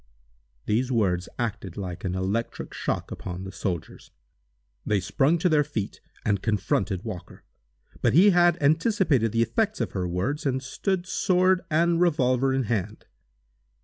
These words acted like an electric shock upon the soldiers. They sprung to their feet and confronted Walker. But he had anticipated the effects of her words, and stood sword and revolver in hand.